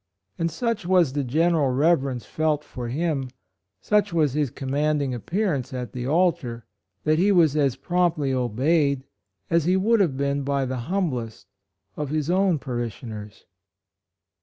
And such was the general reverence felt for him, such was his commanding 12 130 HIS MISSION, HIS TKIALS. appearance at the altar, that he was as promptly obeyed as he would have been by the humblest of his own parishioners.